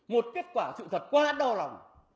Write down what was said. một kết quả sự thật quá đau lòng